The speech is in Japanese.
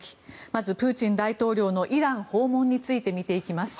まず、プーチン大統領のイラン訪問について見ていきます。